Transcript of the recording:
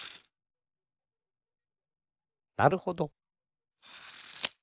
なるほど。